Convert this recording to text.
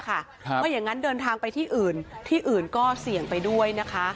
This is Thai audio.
เพราะอย่างนั้นเดินทางไปที่อื่นที่อื่นก็เสี่ยงไปด้วยนะคะ